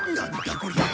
こりゃ。